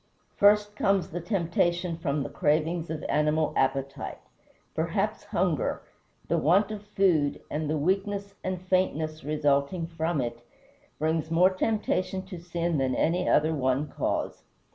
First comes the temptation from the cravings of animal appetite. Perhaps hunger the want of food and the weakness and faintness resulting from it brings more temptation to sin than any other one cause.